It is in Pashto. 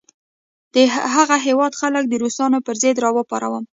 د هغه هیواد خلک د روسانو پر ضد را پاروم.